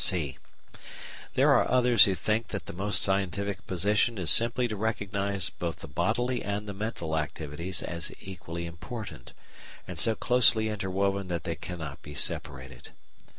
(c) There are others who think that the most scientific position is simply to recognise both the bodily and the mental activities as equally important, and so closely interwoven that they cannot be separated.